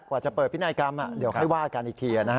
กว่าจะเปิดพินัยกรรมเดี๋ยวค่อยว่ากันอีกที